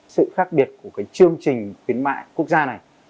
sự khác biệt của cái chương trình khuyến mại quốc gia này